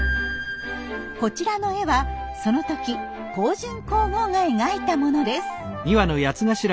こちらの絵はその時香淳皇后が描いたものです。